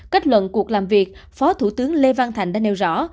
kết luận cuộc làm việc phó thủ tướng lê văn thành đã nêu rõ